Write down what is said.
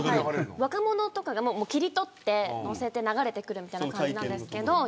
若者とかが、切り取って載せて流れてくるみたいな感じなんですけど